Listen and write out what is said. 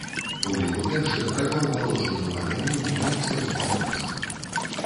У ліку першых правёў валочную памеру ў многіх сваіх маёнтках.